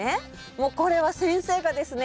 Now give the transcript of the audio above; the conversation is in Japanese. もうこれは先生がですね